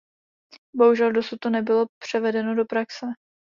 Bohužel, dosud to nebylo převedeno do praxe.